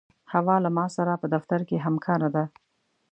حوا له ما سره په دفتر کې همکاره ده.